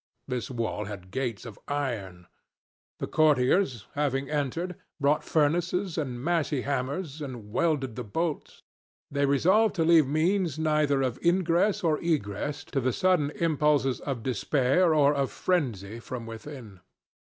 This wall had gates of iron. The courtiers, having entered, brought furnaces and massy hammers and welded the bolts. They resolved to leave means neither of ingress or egress to the sudden impulses of despair or of frenzy from within.